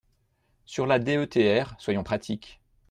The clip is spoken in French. Sur la DETR, soyons pratiques.